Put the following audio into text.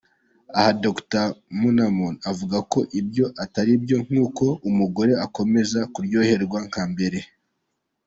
Aha Dr Momoun avuga ko ibyo ataribyo nkuko umugore akomeza kuryoherwa nka mbere.